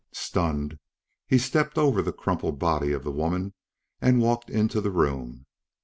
Stunned, he stepped over the crumpled body of the woman and walked into the room.